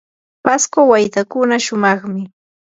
pasco waytakuna shumaqmi.